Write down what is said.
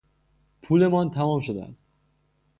پولمان تمام شده است.